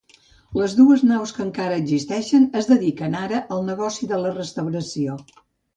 Les dues naus que encara existeixen es dediquen ara al negoci de la restauració.